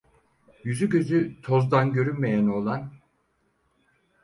Yüzü gözü tozdan görünmeyen oğlan: